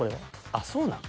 ［あっそうなん？